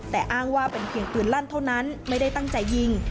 แต่อ้างว่าเป็นเพียงปืนลั่นเท่านั้นไม่ได้ตั้งใจยิง